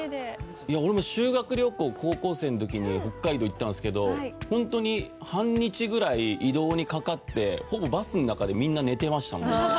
いや俺も修学旅行高校生の時に北海道行ったんですけどホントに半日ぐらい移動にかかってほぼバスの中でみんな寝てましたもんね。